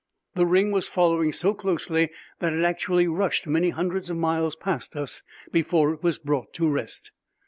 The ring was following so closely that it actually rushed many hundreds of miles past us before it was brought to rest.